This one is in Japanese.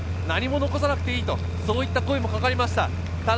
何も残さなくていいという声がかかりました。